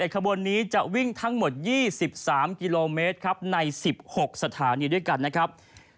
ขบวนนี้จะวิ่งทั้งหมด๒๓กิโลเมตรครับใน๑๖สถานีด้วยกันนะครับ